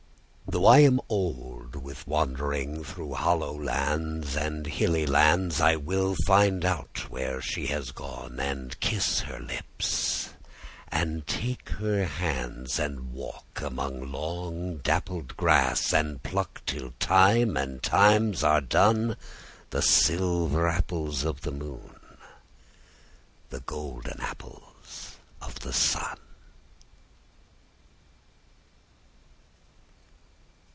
Though I am old with wandering Through hollow lands and hilly lands, I will find out where she has gone, And kiss her lips and take her hands; And walk among long dappled grass, And pluck till time and times are done The silver apples of the moon, The golden apples of the sun.